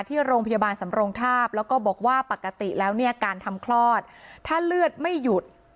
ที่โรงพยาบาลสำรงทาบแล้วก็บอกว่าปกติแล้วเนี่ยการทำคลอดถ้าเลือดไม่หยุด